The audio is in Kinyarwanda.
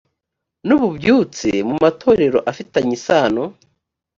n ububyutse mu matorero afitanye isano